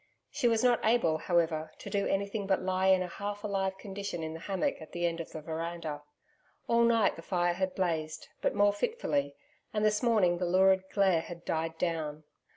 She was not able, however, to do anything but lie in a half alive condition in the hammock at the end of the veranda. All night the fire had blazed, but more fitfully, and this morning the lurid glare had died down.